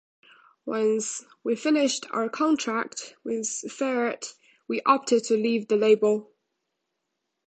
Once we finished our contract with Ferret we opted to leave the label.